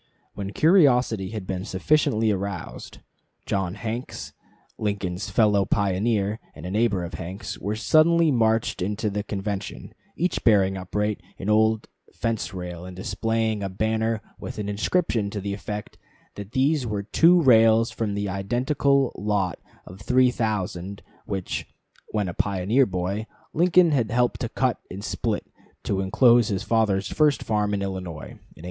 When curiosity had been sufficiently aroused, John Hanks, Lincoln's fellow pioneer, and a neighbor of Hanks, were suddenly marched into the convention, each bearing upright an old fence rail, and displaying a banner with an inscription to the effect that these were two rails from the identical lot of three thousand which, when a pioneer boy, Lincoln had helped to cut and split to inclose his father's first farm in Illinois, in 1830.